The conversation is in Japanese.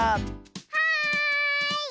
はい！